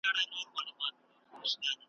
نن مي پر زړه باندي را اورې څه خوږه لګېږې ,